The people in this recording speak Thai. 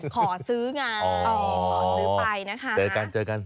ขอซื้อไงขอซื้อไปนะคะเจอกัน